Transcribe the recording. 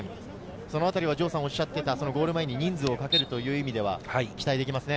そのあたりは城さんが言ってたゴール前に人数をかけるという意味では期待できますね。